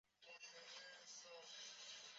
美亚生于澳洲悉尼。